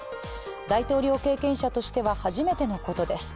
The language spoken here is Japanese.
大統領経験者としては初めてのことです。